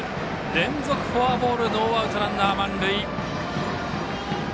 連続フォアボールノーアウト、ランナー満塁。